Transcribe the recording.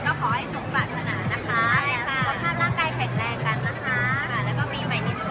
นะคะแล้วก็เป็น